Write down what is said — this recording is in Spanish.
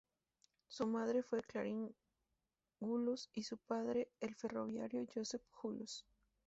Su madre fue Clarice Hollows y su padre, el ferroviario, Joseph Hollows.